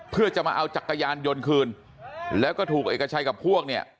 เพื่อจะมาเอาจักรยานยนต์คืนแล้วก็ถูกเอกชัยกับพวกเนี่ย